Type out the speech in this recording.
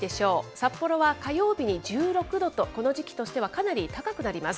札幌は火曜日に１６度と、この時期としてはかなり高くなります。